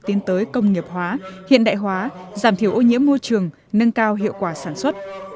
tiến tới công nghiệp hóa hiện đại hóa giảm thiểu ô nhiễm môi trường nâng cao hiệu quả sản xuất